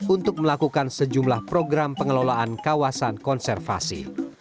untuk melakukan sejumlah program pengelolaan kawasan konservasi